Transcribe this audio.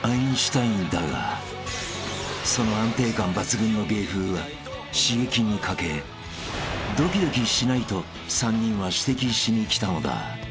［その安定感抜群の芸風は刺激に欠けドキドキしないと３人は指摘しに来たのだ］